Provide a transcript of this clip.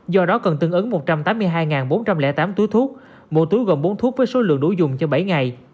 do đó cần tương ứng một trăm tám mươi hai bốn trăm linh tám túi thuốc mỗi túi gồm bốn thuốc với số lượng đủ dùng cho bảy ngày